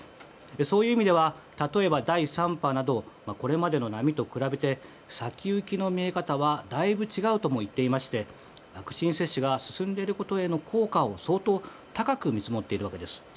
そういう意味では例えば第３波などこれまでの波と比べて先行きの見え方はだいぶ違うとも言っていましてワクチン接種が進んでいることへの効果を相当、高く見積もっているようです。